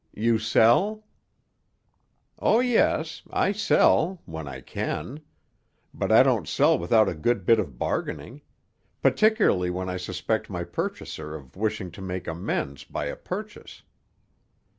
"You sell?" "Oh, yes, I sell—when I can. But I don't sell without a good bit of bargaining; particularly when I suspect my purchaser of wishing to make amends by a purchase."